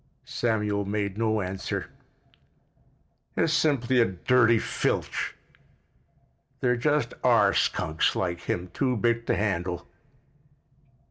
Samuel made no answer. "It's simply a dirty filch. There just are skunks like him too big to handle."